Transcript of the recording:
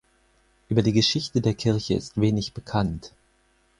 Über die Geschichte der Kirche ist wenig bekannt.